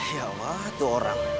ya waduh orang